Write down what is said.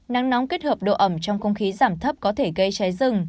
nắng nóng kết hợp độ ẩm trong không khí giảm thấp có thể gây cháy rừng